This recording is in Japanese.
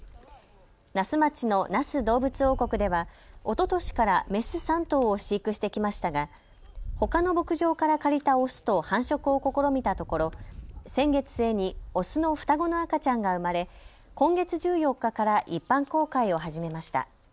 那須町の那須どうぶつ王国ではおととしから雌３頭を飼育してきましたがほかの牧場から借りた雄と繁殖を試みたところ先月末に雄の双子の赤ちゃんが生まれ、今月１４日から一般公開を始めました。